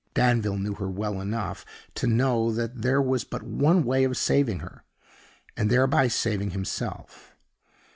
Danville knew her well enough to know that there was but one way of saving her, and thereby saving himself.